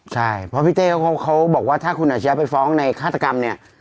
ใช่เพราะพี่เต้เขาบอกว่าถ้าคุณอาชียะไปฟ้องในฆาตกรรมเนี่ย